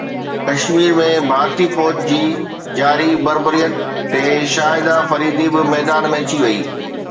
ڪشمير ۾ ڀارتي فوج جي جاري بربريت تي شاهده فريدي به ميدان ۾ اچي وئي